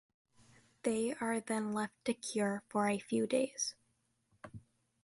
They are then left to cure for a few days.